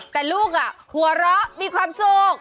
แต่ลูกหัวเราะมีความสุข